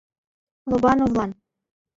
ЛОБАНОВЛАН